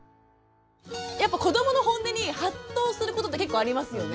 やっぱこどものホンネにハッとすることって結構ありますよね？